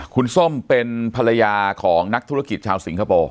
คุณส้มเป็นภรรยาของนักธุรกิจชาวสิงคโปร์